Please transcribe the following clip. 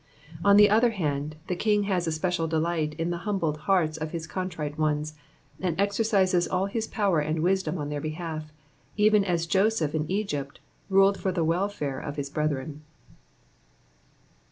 On the other hand, the King has a special delight in the humbled hearts of his contrite ones, and exercises all his power and wisdom on their behalf, even as Joseph in Egj^pt ruled for the welfaie of his brethren.